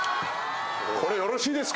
これよろしいですか？